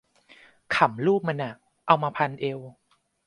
ขำรูปมันอะ เอามาพันเอว